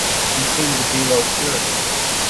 You seem to be low-spirited.